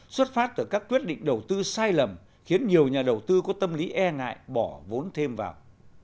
xuất phát từ các quyết định đầu tư sai lầm khiến nhiều nhà đầu tư có tâm lý e ngại bỏ vốn thêm vào